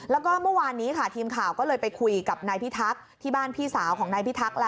แล้วก็เมื่อวานนี้ค่ะทีมข่าวก็เลยไปคุยกับนายพิทักษ์ที่บ้านพี่สาวของนายพิทักษ์